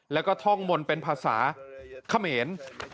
แล้วก็ท่องมนต์เป็นภาษาเขมร